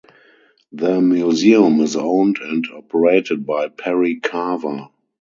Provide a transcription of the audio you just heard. The museum is owned and operated by Perry Carver.